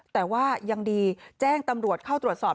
แต่ว่ายังดีแจ้งตำรวจเข้าตรวจสอบ